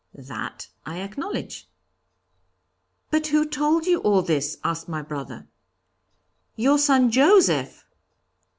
'That I acknowledge.' 'But who told you all this?' asked my brother. 'Your son, Joseph!'